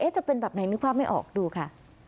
จะเป็นแบบไหนนึกภาพไม่ออกดูค่ะ